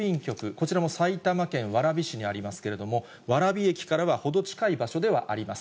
こちらも埼玉県蕨市にありますけれども、蕨駅からは程近い場所ではあります。